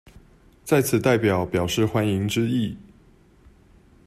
在此代表表示歡迎之意